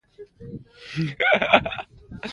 مرمۍ د چوکۍ په شا کې په مابین کې ولګېده.